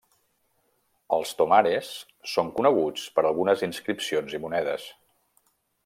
El Tomares són coneguts per algunes inscripcions i monedes.